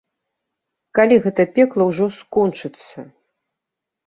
Калі гэта пекла ўжо скончыцца?